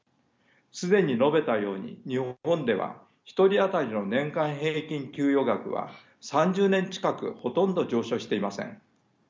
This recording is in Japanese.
既に述べたように日本では１人当たりの年間平均給与額は３０年近くほとんど上昇していません。